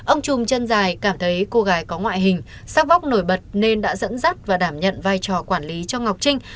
ông trùm chân dài cảm thấy cô gái có ngoại hình sắc vóc nổi bật nên đã dẫn dắt và đảm nhận vai trò quản lý cho ngọc trinh